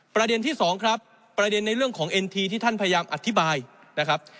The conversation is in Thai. ประเด็นที่สองครับประเด็นในเรื่องของเอ็นทีที่ท่านพยายามอธิบายนะครับ